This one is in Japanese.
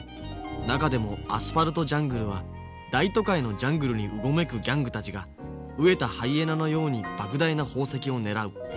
中でも「アスファルト・ジャングル」は大都会のジャングルにうごめくギャングたちが飢えたハイエナのようにばく大な宝石を狙う。